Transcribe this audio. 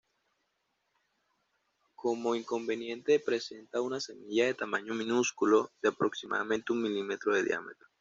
Como inconveniente presenta una semilla de tamaño minúsculo, de aproximadamente un milímetro de diámetro.